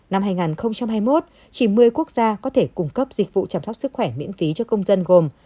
năm hai nghìn hai mươi một chỉ một mươi quốc gia có thể cung cấp dịch vụ chăm sóc sức khỏe miễn phí cho công dân gồm